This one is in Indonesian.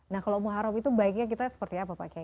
nah kalau umum haram itu baiknya kita seperti apa pak